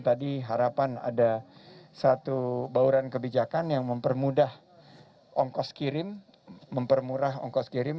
tadi harapan ada satu bauran kebijakan yang mempermudah ongkos kirim mempermurah ongkos kirim